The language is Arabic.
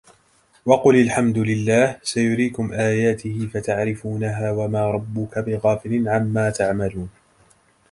وقل الحمد لله سيريكم آياته فتعرفونها وما ربك بغافل عما تعملون